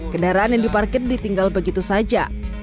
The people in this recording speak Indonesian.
kendaraan yang diparkir ditinggal begitu saja